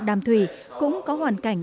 đàm thùy cũng có hoàn cảnh